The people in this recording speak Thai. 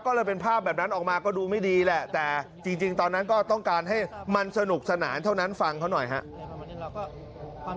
ก็เลยเป็นภาพแบบนั้นออกมาก็ดูไม่ดีแหละแต่จริงตอนนั้นก็ต้องการให้มันสนุกสนานเท่านั้นฟังเขาหน่อยครับ